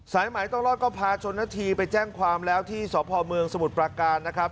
สายหมายต้องรอดก็พาชนนาธีไปแจ้งความแล้วที่สพเมืองสมุทรประการนะครับ